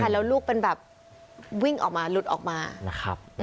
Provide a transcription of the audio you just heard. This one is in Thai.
แล้วลูกเป็นแบบวิ่งออกมาหลุดออกมานะครับ